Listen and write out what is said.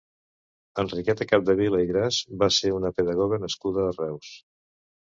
Enriqueta Capdevila i Gras va ser una pedagoga nascuda a Reus.